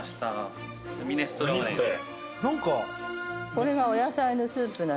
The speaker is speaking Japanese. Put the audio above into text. これがお野菜のスープ。